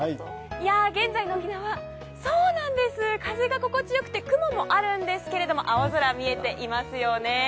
現在の沖縄、風が心地よくて雲もあるんですけれども青空見えていますよね。